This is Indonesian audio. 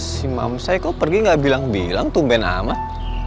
si mamsai kok pergi gak bilang bilang tumben amat